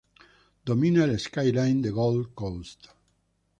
Domina el "skyline" de Gold Coast.